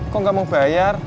kok gak mau bayar